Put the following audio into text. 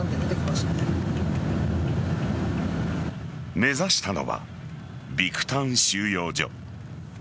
目指したのはビクタン収容所。